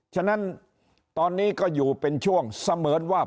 ฉะนั้นตอนนี้ก็อยู่เป็นช่วงเสมือนว่า